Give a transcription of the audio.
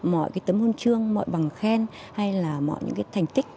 mọi cái tấm hôn trương mọi bằng khen hay là mọi những cái thành tích